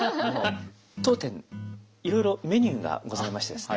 当店いろいろメニューがございましてですね